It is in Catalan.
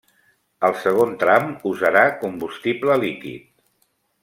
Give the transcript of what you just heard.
El segon tram usarà combustible líquid.